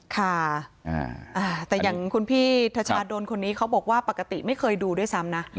ค่ะแต่อย่างคุณพี่ทชาดนคนนี้เขาบอกว่าปกติไม่เคยดูด้วยซ้ำนะ